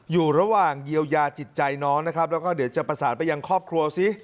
อยู่ระหว่างเยียวยาจิตใจน้องนะครับแล้วก็เดี๋ยวจะประสานไปยังครอบครัวซิ